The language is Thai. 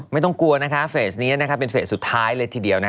ไม่ต้องกลัวนะคะเฟสนี้นะครับเป็นเฟสสุดท้ายเลยทีเดียว